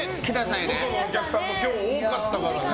外のお客さんも今日多かったからね。